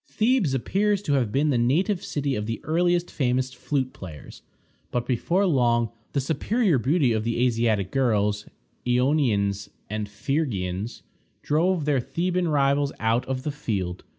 Thebes appears to have been the native city of the earliest famous flute players, but before long the superior beauty of the Asiatic girls Ionians and Phrygians drove their Theban rivals out of the field.